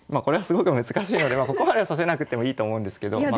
ここまで指せなくてもいいと思うんですけど。